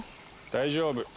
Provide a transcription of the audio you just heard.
大丈夫。